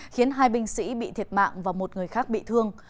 khiến hai binh sĩ bị thiệt mạng và một người khác bị thương